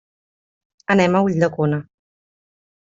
Anem a Ulldecona.